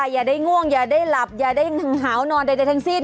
อย่าได้ง่วงอย่าได้หลับอย่าได้หาวนอนใดทั้งสิ้น